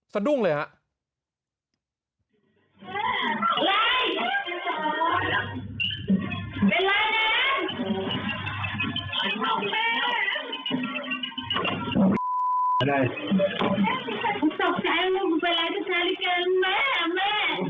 สะดุ้งเลยครับ